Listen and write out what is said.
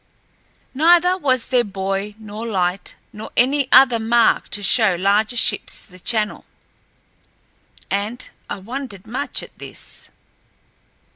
Neither was there buoy nor light nor any other mark to show larger ships the channel, and I wondered much at this.